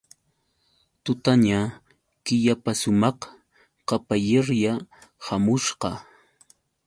Tutaña killapasumaq kaballerya hamushpa.